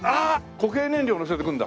固形燃料をのせておくんだ。